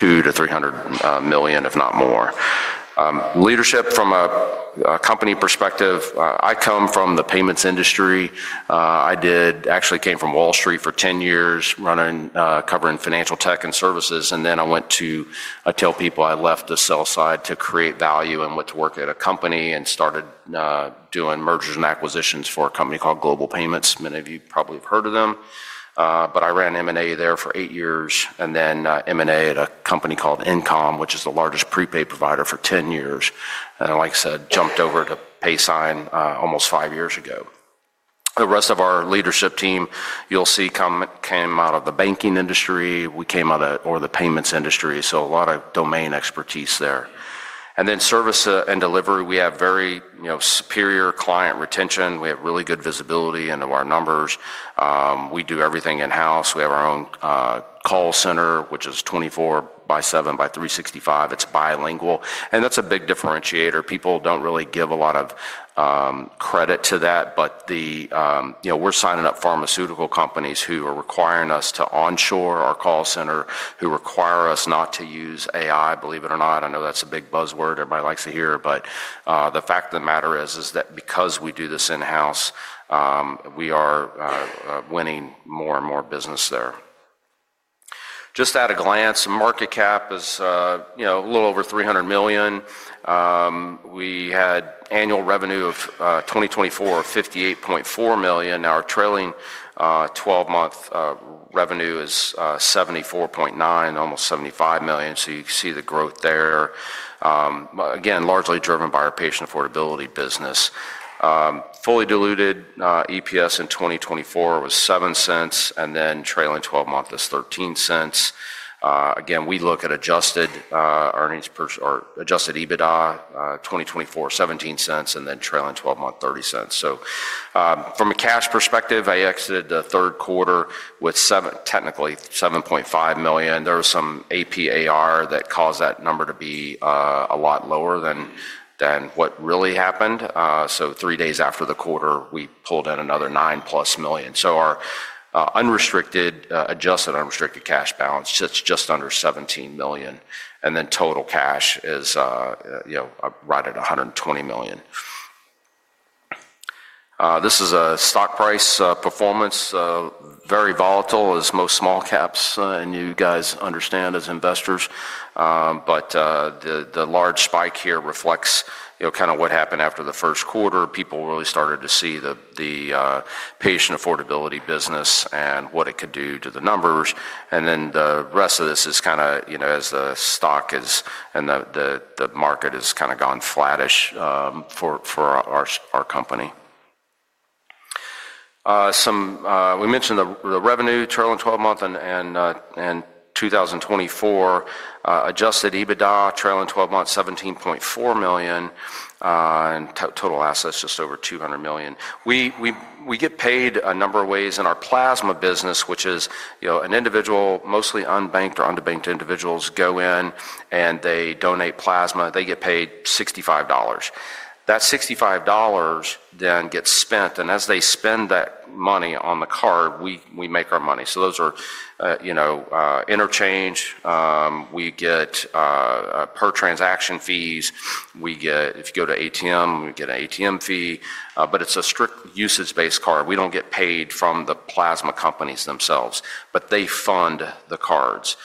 Two to three hundred million, if not more. Leadership from a company perspective, I come from the payments industry. I actually came from Wall Street for ten years, covering financial tech and services, and then I went to—I tell people I left the sell side to create value and went to work at a company and started doing mergers and acquisitions for a company called Global Payments. Many of you probably have heard of them. I ran M&A there for eight years, and then M&A at a company called InComm, which is the largest prepaid provider, for ten years. Like I said, jumped over to Paysign almost five years ago. The rest of our leadership team, you'll see, came out of the banking industry. We came out of the payments industry, so a lot of domain expertise there. Service and delivery, we have very superior client retention. We have really good visibility into our numbers. We do everything in-house. We have our own call center, which is 24 by 7 by 365. It's bilingual, and that's a big differentiator. People don't really give a lot of credit to that, but we're signing up pharmaceutical companies who are requiring us to onshore our call center, who require us not to use AI, believe it or not. I know that's a big buzzword. Everybody likes to hear it, but the fact of the matter is that because we do this in-house, we are winning more and more business there. Just at a glance, market cap is a little over $300 million. We had annual revenue of 2024 of $58.4 million. Our trailing 12-month revenue is $74.9 million, almost $75 million. You can see the growth there. Again, largely driven by our patient affordability business. Fully diluted EPS in 2024 was $0.07, and then trailing 12-month is $0.13. Again, we look at adjusted EBITDA 2024, $0.17, and then trailing 12-month, $0.30. From a cash perspective, I exited the third quarter with technically $7.5 million. There was some APAR that caused that number to be a lot lower than what really happened. Three days after the quarter, we pulled in another $9+ million. Our unrestricted adjusted unrestricted cash balance, it's just under $17 million. Total cash is right at $120 million. This is a stock price performance, very volatile, as most small caps, and you guys understand as investors. The large spike here reflects kind of what happened after the first quarter. People really started to see the patient affordability business and what it could do to the numbers. The rest of this is kind of as the stock is and the market has kind of gone flattish for our company. We mentioned the revenue trailing 12-month and 2024 adjusted EBITDA trailing 12-month, $17.4 million, and total assets just over $200 million. We get paid a number of ways in our plasma business, which is an individual, mostly unbanked or underbanked individuals go in and they donate plasma. They get paid $65. That $65 then gets spent, and as they spend that money on the card, we make our money. Those are interchange. We get per transaction fees. If you go to ATM, we get an ATM fee. It is a strict usage-based card. We do not get paid from the plasma companies themselves, but they fund the cards.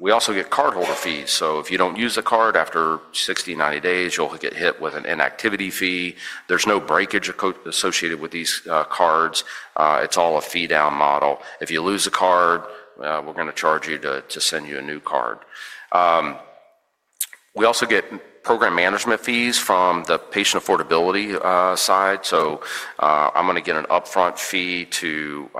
We also get cardholder fees. If you do not use the card after 60, 90 days, you will get hit with an inactivity fee. There is no breakage associated with these cards. It is all a fee-down model. If you lose a card, we are going to charge you to send you a new card. We also get program management fees from the patient affordability side. I am going to get an upfront fee to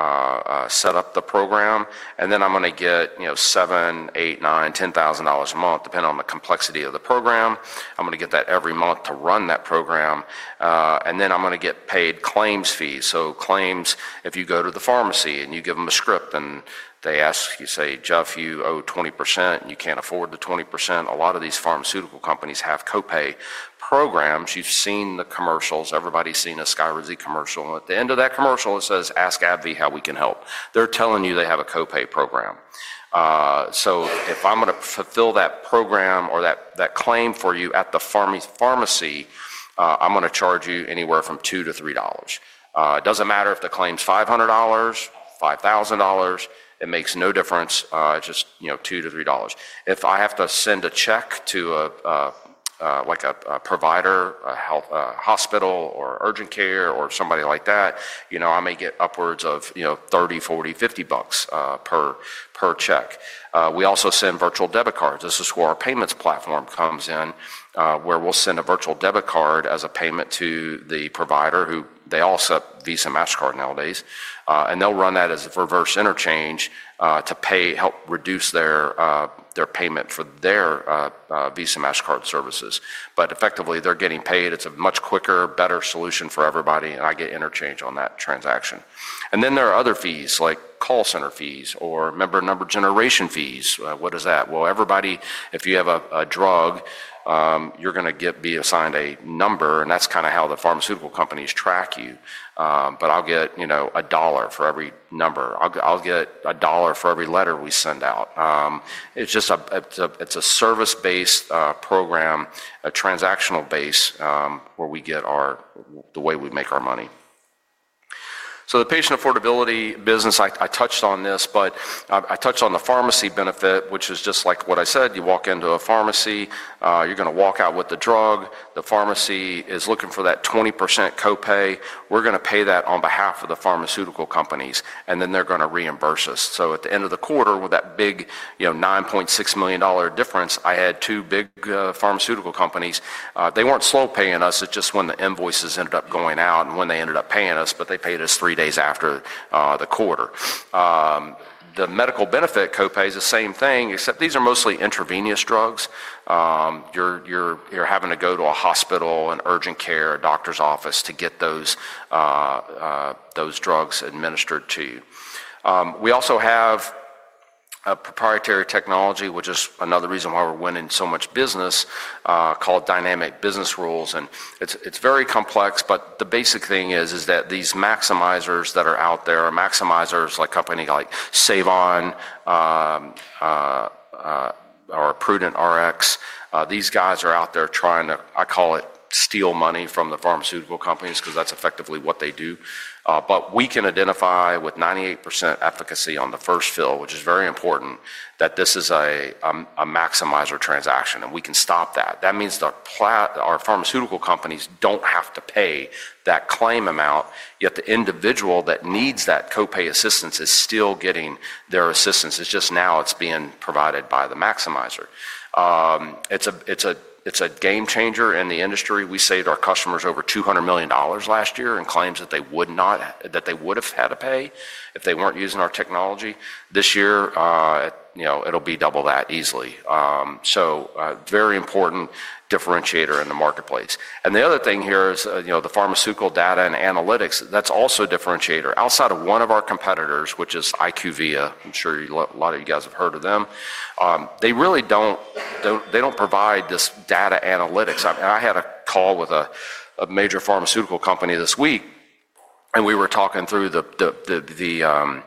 set up the program, and then I am going to get $7,000, $8,000, $9,000, $10,000 a month, depending on the complexity of the program. I am going to get that every month to run that program. I am going to get paid claims fees. Claims, if you go to the pharmacy and you give them a script and they ask you, say, "Jeff, you owe 20% and you can't afford the 20%," a lot of these pharmaceutical companies have copay programs. You've seen the commercials. Everybody's seen a Skyrizi commercial. At the end of that commercial, it says, "Ask AbbVie how we can help." They're telling you they have a copay program. If I'm going to fulfill that program or that claim for you at the pharmacy, I'm going to charge you anywhere from $2-$3. It doesn't matter if the claim's $500, $5,000. It makes no difference. It's just $2-$3. If I have to send a check to a provider, a hospital or urgent care or somebody like that, I may get upwards of $30, $40, $50 per check. We also send virtual debit cards. This is where our payments platform comes in, where we'll send a virtual debit card as a payment to the provider who they all accept Visa MasterCard nowadays. They'll run that as a reverse interchange to help reduce their payment for their Visa MasterCard services. Effectively, they're getting paid. It's a much quicker, better solution for everybody, and I get interchange on that transaction. There are other fees, like call center fees or member number generation fees. What is that? Everybody, if you have a drug, you're going to be assigned a number, and that's kind of how the pharmaceutical companies track you. I'll get a dollar for every number. I'll get a dollar for every letter we send out. It's a service-based program, a transactional based, where we get the way we make our money. The patient affordability business, I touched on this, but I touched on the pharmacy benefit, which is just like what I said. You walk into a pharmacy, you're going to walk out with the drug. The pharmacy is looking for that 20% copay. We're going to pay that on behalf of the pharmaceutical companies, and then they're going to reimburse us. At the end of the quarter, with that big $9.6 million difference, I had two big pharmaceutical companies. They weren't slow paying us. It's just when the invoices ended up going out and when they ended up paying us, but they paid us three days after the quarter. The medical benefit copay is the same thing, except these are mostly intravenous drugs. You're having to go to a hospital, an urgent care, a doctor's office to get those drugs administered to you. We also have a proprietary technology, which is another reason why we're winning so much business, called Dynamic Business Rules. It is very complex, but the basic thing is that these maximizers that are out there, maximizers like a company like Sav-On or PrudentRx, these guys are out there trying to, I call it, steal money from the pharmaceutical companies because that's effectively what they do. We can identify with 98% efficacy on the first fill, which is very important, that this is a maximizer transaction, and we can stop that. That means our pharmaceutical companies do not have to pay that claim amount, yet the individual that needs that copay assistance is still getting their assistance. It is just now it is being provided by the maximizer. It is a game changer in the industry. We saved our customers over $200 million last year in claims that they would have had to pay if they were not using our technology. This year, it will be double that easily. A very important differentiator in the marketplace. The other thing here is the pharmaceutical data and analytics. That is also a differentiator. Outside of one of our competitors, which is IQVIA, I am sure a lot of you guys have heard of them, they do not provide this data analytics. I had a call with a major pharmaceutical company this week, and we were talking through the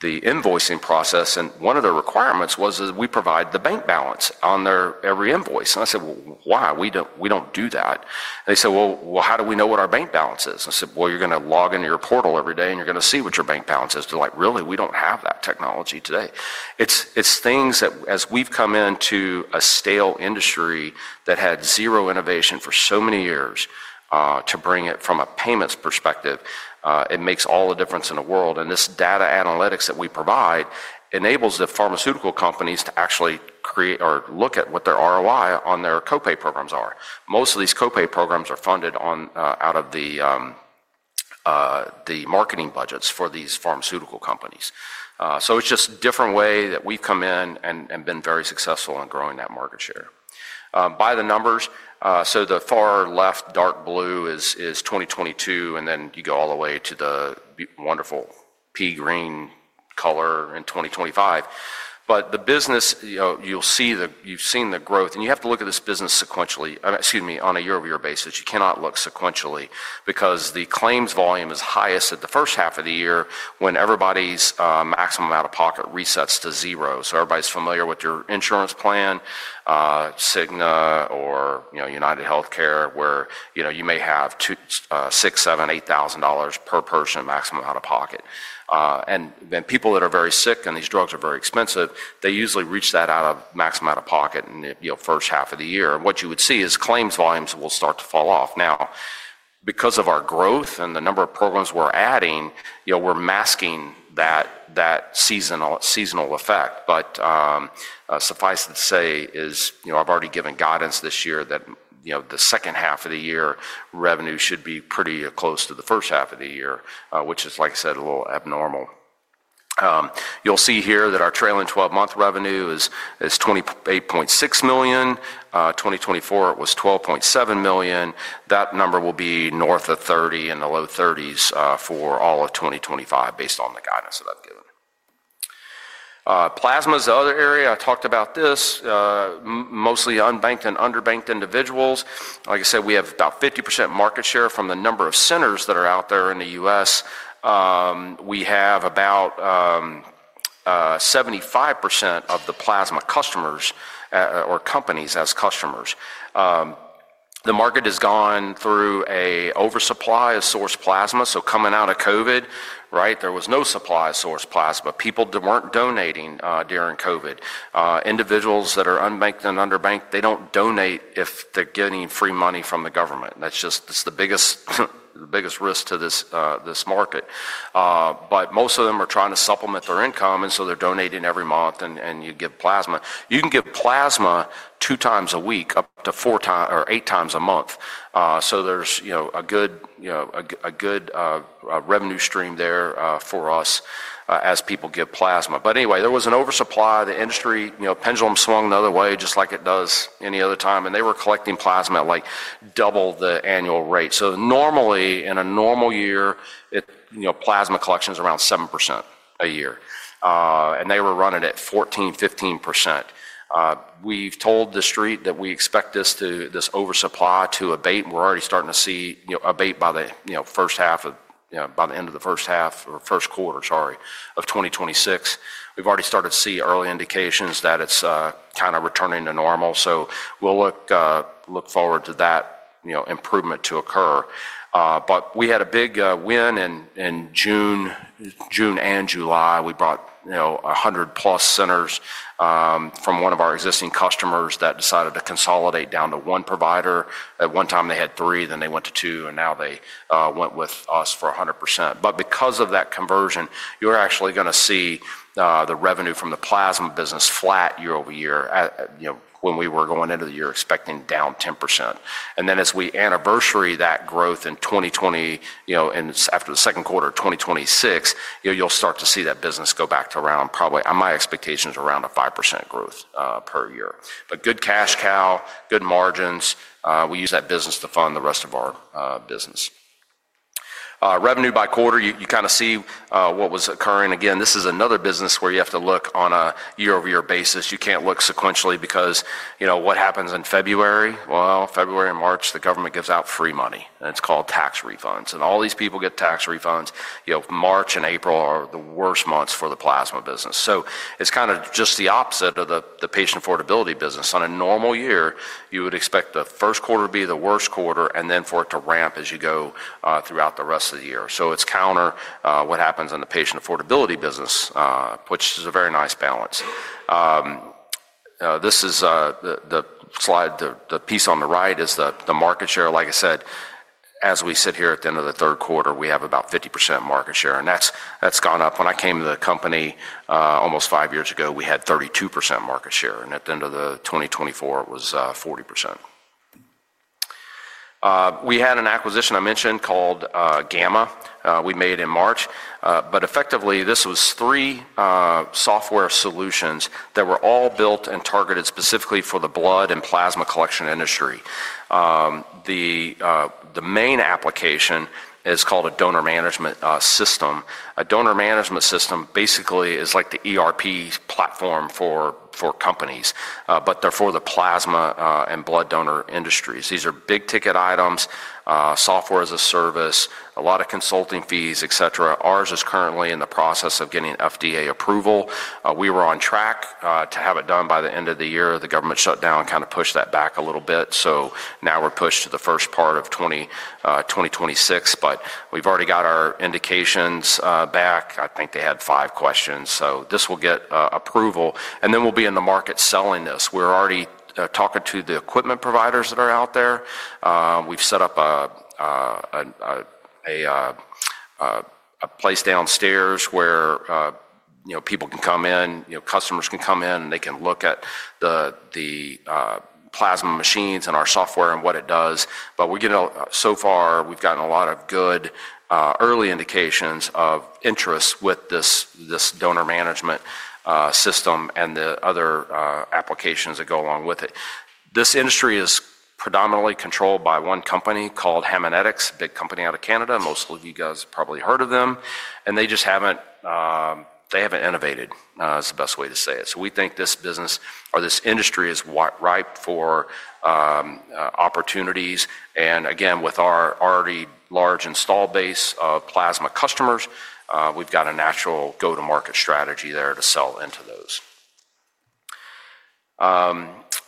invoicing process, and one of the requirements was that we provide the bank balance on every invoice. I said, "Why? We do not do that." They said, "Well, how do we know what our bank balance is?" I said, "Well, you are going to log into your portal every day, and you are going to see what your bank balance is." They are like, "Really? We do not have that technology today." It is things that, as we have come into a stale industry that had zero innovation for so many years, to bring it from a payments perspective, it makes all the difference in the world. This data analytics that we provide enables the pharmaceutical companies to actually look at what their ROI on their copay programs are. Most of these copay programs are funded out of the marketing budgets for these pharmaceutical companies. It is just a different way that we have come in and been very successful in growing that market share. By the numbers, the far left dark blue is 2022, and then you go all the way to the wonderful pea green color in 2025. The business, you've seen the growth, and you have to look at this business on a year-over-year basis. You cannot look sequentially because the claims volume is highest at the first half of the year when everybody's maximum out-of-pocket resets to zero. Everybody's familiar with your insurance plan, Cigna or UnitedHealthcare, where you may have $6,000, $7,000, $8,000 per person maximum out-of-pocket. People that are very sick and these drugs are very expensive, they usually reach that maximum out-of-pocket in the first half of the year. What you would see is claims volumes will start to fall off. Now, because of our growth and the number of programs we're adding, we're masking that seasonal effect. Suffice to say, I've already given guidance this year that the second half of the year revenue should be pretty close to the first half of the year, which is, like I said, a little abnormal. You'll see here that our trailing 12-month revenue is $28.6 million. In 2024, it was $12.7 million. That number will be north of $30 million, in the low $30 million range for all of 2025 based on the guidance that I've given. Plasma is the other area. I talked about this, mostly unbanked and underbanked individuals. Like I said, we have about 50% market share from the number of centers that are out there in the U.S. We have about 75% of the plasma companies as customers. The market has gone through an oversupply of source plasma. Coming out of COVID, right, there was no supply of source plasma. People were not donating during COVID. Individuals that are unbanked and underbanked, they do not donate if they are getting free money from the government. That is the biggest risk to this market. Most of them are trying to supplement their income, and they are donating every month, and you give plasma. You can give plasma two times a week up to eight times a month. There is a good revenue stream there for us as people give plasma. Anyway, there was an oversupply. The industry pendulum swung the other way, just like it does any other time, and they were collecting plasma at like double the annual rate. Normally, in a normal year, plasma collection is around 7% a year, and they were running at 14%-15%. We've told the street that we expect this oversupply to abate, and we're already starting to see abate by the end of the first half or first quarter, sorry, of 2026. We've already started to see early indications that it's kind of returning to normal. We look forward to that improvement to occur. We had a big win in June and July. We brought 100+ centers from one of our existing customers that decided to consolidate down to one provider. At one time, they had three, then they went to two, and now they went with us for 100%. Because of that conversion, you're actually going to see the revenue from the plasma business flat year over year when we were going into the year expecting down 10%. As we anniversary that growth in 2020 and after the second quarter of 2026, you'll start to see that business go back to around, probably my expectation is around a 5% growth per year. Good cash cow, good margins. We use that business to fund the rest of our business. Revenue by quarter, you kind of see what was occurring. Again, this is another business where you have to look on a year-over-year basis. You can't look sequentially because what happens in February? February and March, the government gives out free money, and it's called tax refunds. All these people get tax refunds. March and April are the worst months for the plasma business. It's kind of just the opposite of the patient affordability business. On a normal year, you would expect the first quarter to be the worst quarter and then for it to ramp as you go throughout the rest of the year. It is counter what happens in the patient affordability business, which is a very nice balance. This is the slide. The piece on the right is the market share. Like I said, as we sit here at the end of the third quarter, we have about 50% market share, and that's gone up. When I came to the company almost five years ago, we had 32% market share, and at the end of 2024, it was 40%. We had an acquisition I mentioned called Gamma. We made it in March. Effectively, this was three software solutions that were all built and targeted specifically for the blood and plasma collection industry. The main application is called a donor management system. A donor management system basically is like the ERP platform for companies, but they're for the plasma and blood donor industries. These are big ticket items, software-as-a-service, a lot of consulting fees, etc. Ours is currently in the process of getting FDA approval. We were on track to have it done by the end of the year. The government shutdown kind of pushed that back a little bit. Now we're pushed to the first part of 2026, but we've already got our indications back. I think they had five questions. This will get approval, and then we'll be in the market selling this. We're already talking to the equipment providers that are out there. We've set up a place downstairs where people can come in, customers can come in, and they can look at the plasma machines and our software and what it does. So far, we've gotten a lot of good early indications of interest with this Donor Management System and the other applications that go along with it. This industry is predominantly controlled by one company called Haemonetics, a big company out of Canada. Most of you guys have probably heard of them, and they just haven't innovated, is the best way to say it. We think this business or this industry is ripe for opportunities. Again, with our already large install base of plasma customers, we've got a natural go-to-market strategy there to sell into those.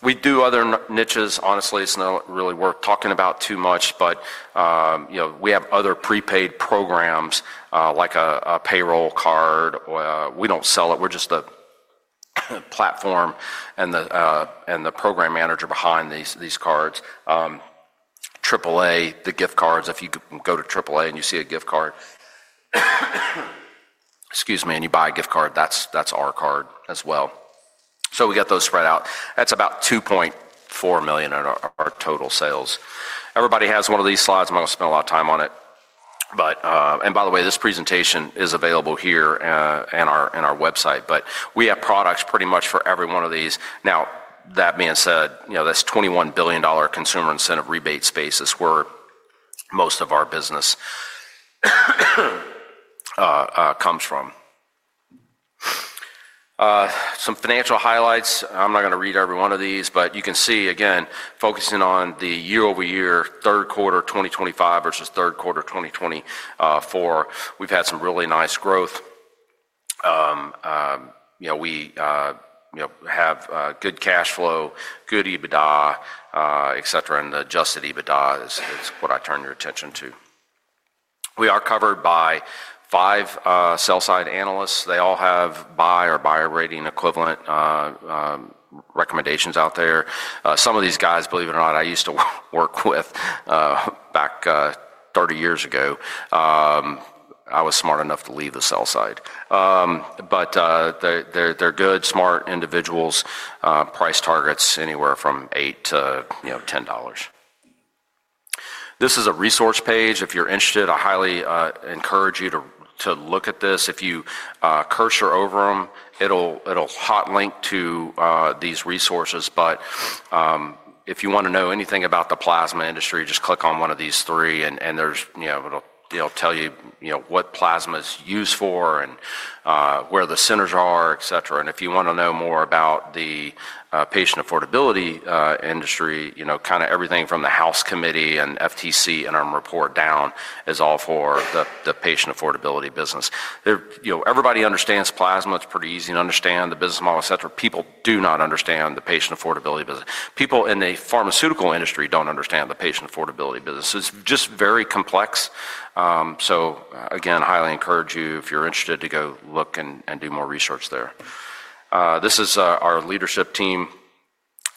We do other niches. Honestly, it's not really worth talking about too much, but we have other prepaid programs like a payroll card. We don't sell it. We're just the platform and the program manager behind these cards. AAA, the gift cards. If you go to AAA and you see a gift card, excuse me, and you buy a gift card, that's our card as well. We got those spread out. That's about $2.4 million in our total sales. Everybody has one of these slides. I'm not going to spend a lot of time on it. By the way, this presentation is available here on our website, but we have products pretty much for every one of these. That being said, that $21 billion consumer incentive rebate space is where most of our business comes from. Some financial highlights. I'm not going to read every one of these, but you can see, again, focusing on the year-over-year third quarter 2025 versus third quarter 2024, we've had some really nice growth. We have good cash flow, good EBITDA, etc., and the adjusted EBITDA is what I turn your attention to. We are covered by five sell-side analysts. They all have buy or buyer rating equivalent recommendations out there. Some of these guys, believe it or not, I used to work with back 30 years ago. I was smart enough to leave the sell side. They're good, smart individuals, price targets anywhere from $8-$10. This is a resource page. If you're interested, I highly encourage you to look at this. If you cursor over them, it'll hotlink to these resources. If you want to know anything about the plasma industry, just click on one of these three, and it'll tell you what plasma is used for and where the centers are, etc. If you want to know more about the patient affordability industry, kind of everything from the House Committee and FTC and our report down is all for the patient affordability business. Everybody understands plasma. It's pretty easy to understand the business model, etc. People do not understand the patient affordability business. People in the pharmaceutical industry don't understand the patient affordability business. It's just very complex. I highly encourage you, if you're interested, to go look and do more research there. This is our leadership team.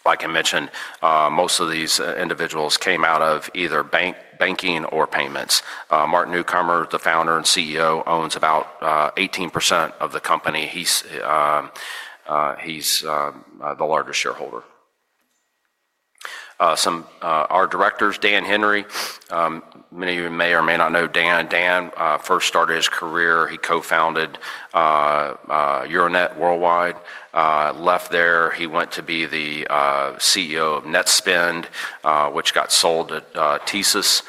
Like I mentioned, most of these individuals came out of either banking or payments. Mark Newcomer, the founder and CEO, owns about 18% of the company. He's the largest shareholder. Our directors, Dan Henry, many of you may or may not know Dan. Dan first started his career. He co-founded Euronet Worldwide, left there. He went to be the CEO of Netspend, which got sold to TSYS.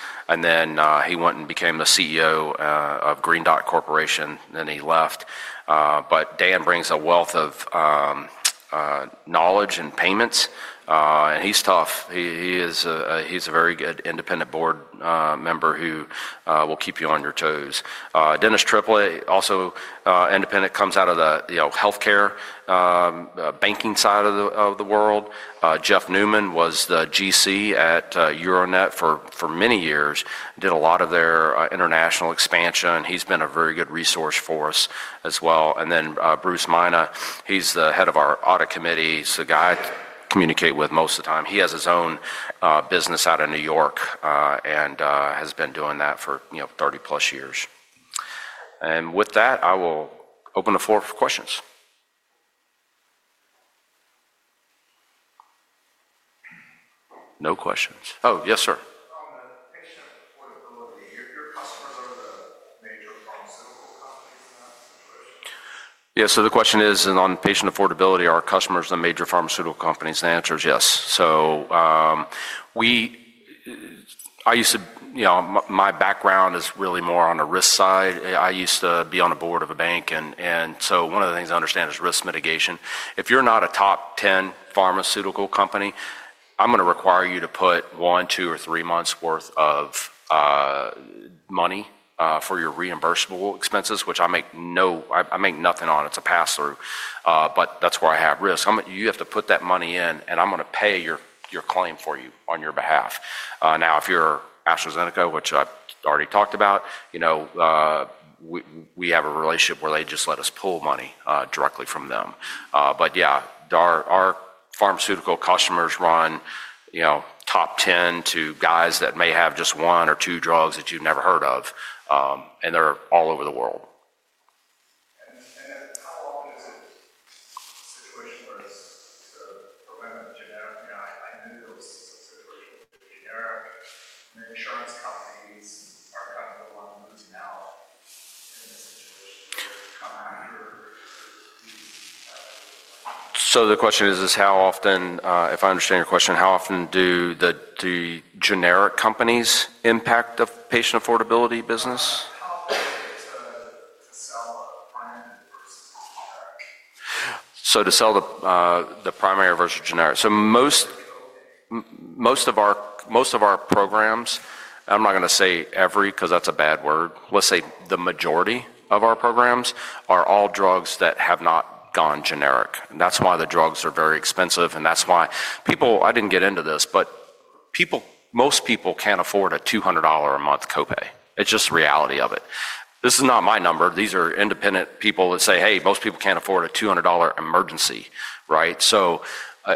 He went and became the CEO of Green Dot Corporation, and then he left. Dan brings a wealth of knowledge in payments, and he's tough. He's a very good independent board member who will keep you on your toes. Dennis Tripler, also independent, comes out of the healthcare banking side of the world. Jeff Newman was the GC at Euronet for many years, did a lot of their international expansion. He's been a very good resource for us as well. Bruce Mina, he's the head of our audit committee. He's the guy I communicate with most of the time. He has his own business out of New York and has been doing that for 30-plus years. With that, I will open the floor for questions. No questions. Oh, yes, sir. Yes. The question is, on patient affordability, are our customers the major pharmaceutical companies? The answer is yes. I used to, my background is really more on the risk side. I used to be on a board of a bank, and one of the things I understand is risk mitigation. If you're not a top 10 pharmaceutical company, I'm going to require you to put one, two, or three months' worth of money for your reimbursable expenses, which I make nothing on. It's a pass-through, but that's where I have risk. You have to put that money in, and I'm going to pay your claim for you on your behalf. If you're AstraZeneca, which I've already talked about, we have a relationship where they just let us pull money directly from them. Our pharmaceutical customers run top 10 to guys that may have just one or two drugs that you've never heard of, and they're all over the world. The question is, how often, if I understand your question, how often do the generic companies impact the patient affordability business? To sell the primary versus generic. Most of our programs, I'm not going to say every because that's a bad word. Let's say the majority of our programs are all drugs that have not gone generic. That's why the drugs are very expensive, and that's why people—I didn't get into this—but most people can't afford a $200-a-month copay. It's just the reality of it. This is not my number. These are independent people that say, "Hey, most people can't afford a $200 emergency," right?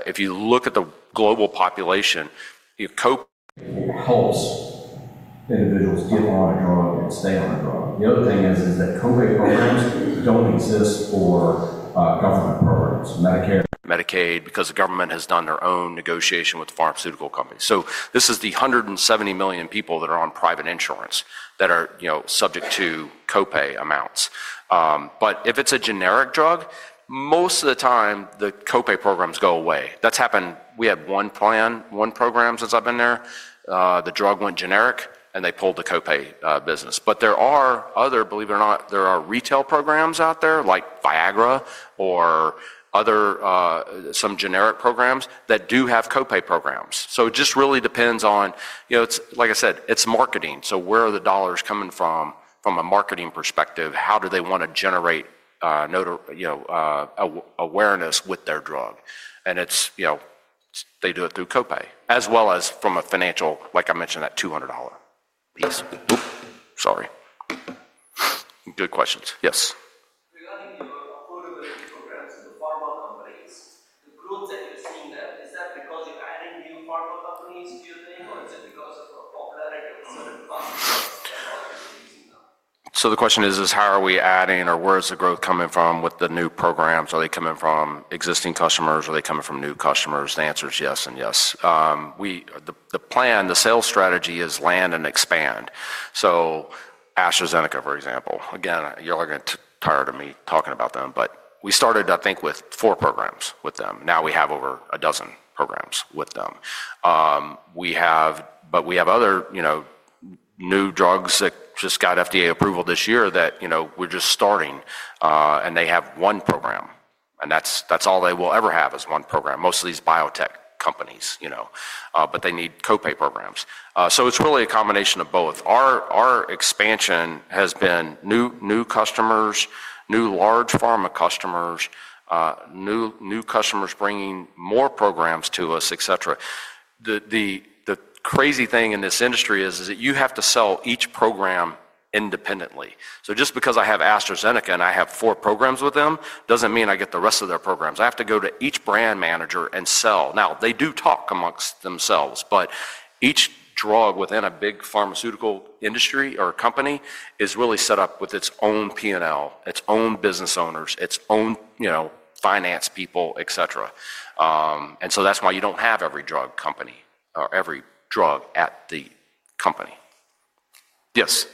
If you look at the global population, copay holds individuals to get on a drug and stay on a drug. The other thing is that copay programs don't exist for government programs, Medicare, Medicaid, because the government has done their own negotiation with pharmaceutical companies. This is the 170 million people that are on private insurance that are subject to copay amounts. If it's a generic drug, most of the time, the copay programs go away. That's happened. We had one plan, one program since I've been there. The drug went generic, and they pulled the copay business. There are other, believe it or not, there are retail programs out there like Viagra or some generic programs that do have copay programs. It just really depends on, like I said, it's marketing. Where are the dollars coming from? From a marketing perspective, how do they want to generate awareness with their drug? They do it through copay as well as from a financial, like I mentioned, that $200 piece. Sorry. Good questions. Yes. The question is, how are we adding, or where is the growth coming from with the new programs? Are they coming from existing customers? Are they coming from new customers? The answer is yes and yes. The plan, the sales strategy is land and expand. AstraZeneca, for example. Again, you're all going to get tired of me talking about them, but we started, I think, with four programs with them. Now we have over a dozen programs with them. We have other new drugs that just got FDA approval this year that we're just starting, and they have one program. That's all they will ever have is one program. Most of these biotech companies, but they need copay programs. It is really a combination of both. Our expansion has been new customers, new large pharma customers, new customers bringing more programs to us, etc. The crazy thing in this industry is that you have to sell each program independently. Just because I have AstraZeneca and I have four programs with them does not mean I get the rest of their programs. I have to go to each brand manager and sell. Now, they do talk amongst themselves, but each drug within a big pharmaceutical industry or company is really set up with its own P&L, its own business owners, its own finance people, etc. That is why you do not have every drug company or every drug at the company. Yes.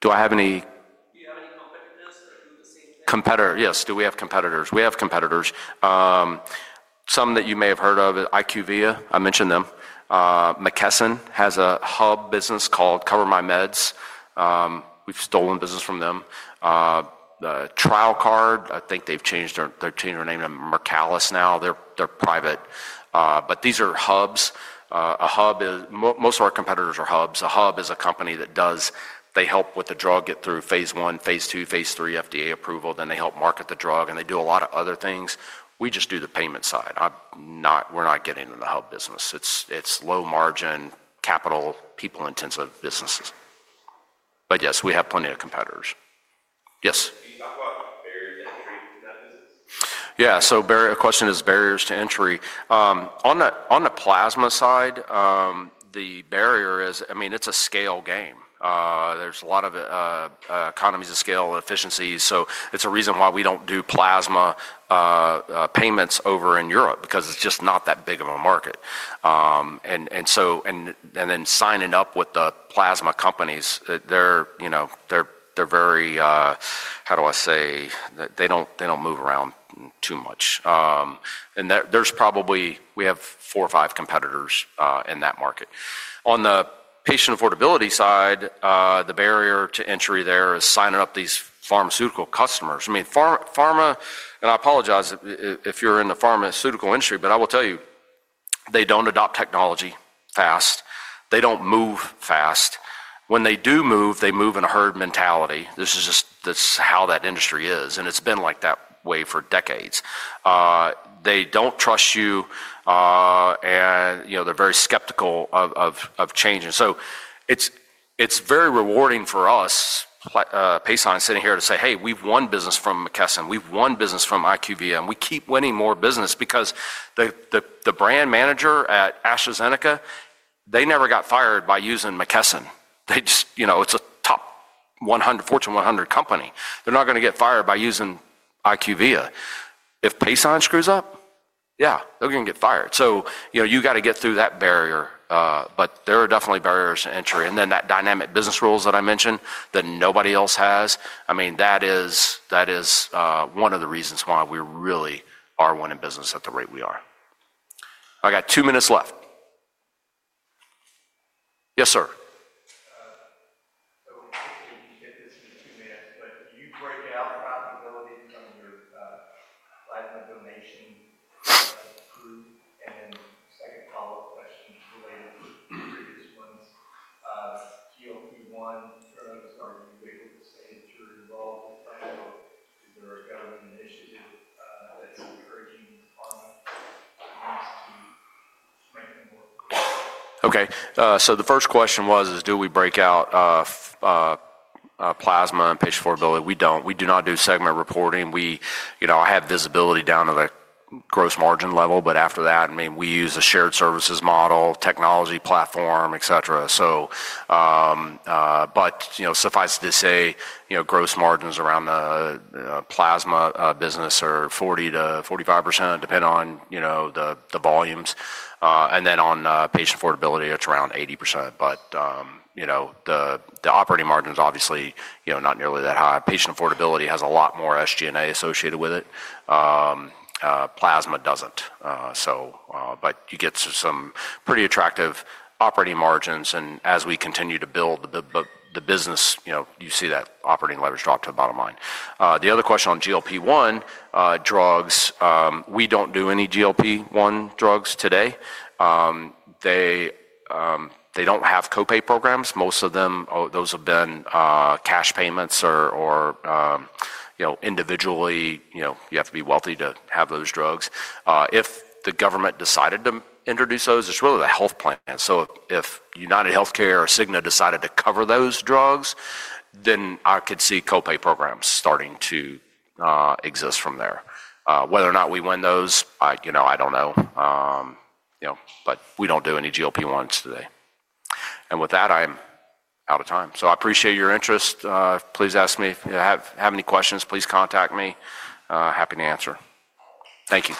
Do I have any competitors? Competitor, yes. Do we have competitors? We have competitors. Some that you may have heard of, IQVIA. I mentioned them. McKesson has a hub business called CoverMyMeds. We have stolen business from them. TrialCard, I think they have changed their name to Mercalis now. They are private. These are hubs. Most of our competitors are hubs. A hub is a company that helps with the drug, get through phase I, phase II, phase III FDA approval. Then they help market the drug, and they do a lot of other things. We just do the payment side. We're not getting into the hub business. It's low-margin, capital, people-intensive businesses. Yes, we have plenty of competitors. Yes. Yeah. A question is barriers to entry. On the plasma side, the barrier is, I mean, it's a scale game. There's a lot of economies of scale and efficiencies. It's a reason why we don't do plasma payments over in Europe because it's just not that big of a market. Signing up with the plasma companies, they're very—how do I say? They don't move around too much. We have four or five competitors in that market. On the patient affordability side, the barrier to entry there is signing up these pharmaceutical customers. I mean, pharma—and I apologize if you're in the pharmaceutical industry, but I will tell you, they don't adopt technology fast. They don't move fast. When they do move, they move in a herd mentality. This is just how that industry is. It has been like that way for decades. They don't trust you, and they're very skeptical of changing. It is very rewarding for us, Paysign, sitting here to say, "Hey, we've won business from McKesson. We've won business from IQVIA." We keep winning more business because the brand manager at AstraZeneca, they never got fired by using McKesson. It's a top Fortune 100 company. They're not going to get fired by using IQVIA. If Paysign screws up, yeah, they're going to get fired. You got to get through that barrier. There are definitely barriers to entry. That dynamic business rules that I mentioned that nobody else has, I mean, that is one of the reasons why we really are winning business at the rate we are. I got two minutes left. Yes, sir. Okay. The first question was, do we break out plasma and patient affordability? We don't. We do not do segment reporting. We have visibility down to the gross margin level. After that, I mean, we use a shared services model, technology platform, etc. Suffice it to say, gross margins around the plasma business are 40-45%, depending on the volumes. On patient affordability, it's around 80%. The operating margin is obviously not nearly that high. Patient affordability has a lot more SG&A associated with it. Plasma doesn't. You get some pretty attractive operating margins. As we continue to build the business, you see that operating leverage drop to the bottom line. The other question on GLP-1 drugs, we don't do any GLP-1 drugs today. They don't have copay programs. Most of them, those have been cash payments or individually. You have to be wealthy to have those drugs. If the government decided to introduce those, it's really the health plan. If UnitedHealthcare or Cigna decided to cover those drugs, then I could see copay programs starting to exist from there. Whether or not we win those, I don't know. We don't do any GLP-1s today. With that, I'm out of time. I appreciate your interest. Please ask me. If you have any questions, please contact me. Happy to answer. Thank you.